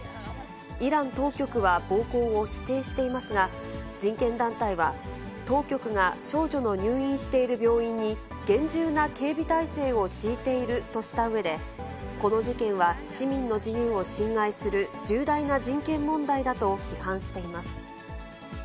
イラン当局は暴行を否定していますが、人権団体は、当局が少女の入院している病院に、厳重な警備体制を敷いているとしたうえで、この事件は市民の自由を侵害する重大な人権問題だと批判しています。